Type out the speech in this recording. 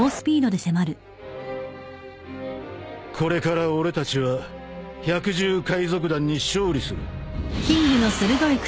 これから俺たちは百獣海賊団に勝利する。